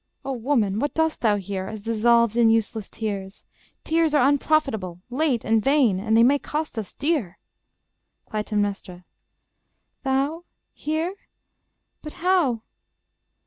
O woman, What dost thou here, dissolved in useless tears? Tears are unprofitable, late, and vain; And they may cost us dear. Cly. Thou here? ... but how?